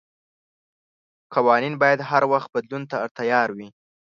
قوانين بايد هر وخت بدلون ته تيار وي.